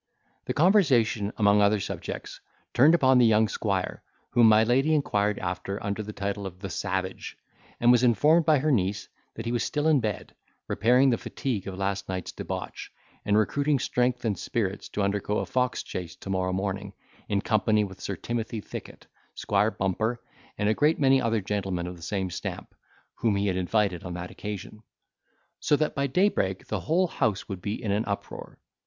The conversation, among other subjects, turned upon the young squire, whom my lady inquired after under the title of the Savage; and was informed by her niece that he was still in bed, repairing the fatigue of last night's debauch, and recruiting strength and spirits to undergo a fox chase to morrow morning, in company with Sir Timothy Thicket, Squire Bumper, and a great many other gentlemen of the same stamp, whom he had invited on that occasion! so that by daybreak the whole house would be in an uproar.